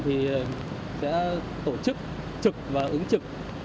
thì sẽ tổ chức trực và ứng trực